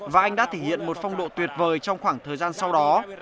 và anh đã thể hiện một phong độ tuyệt vời trong khoảng thời gian sau đó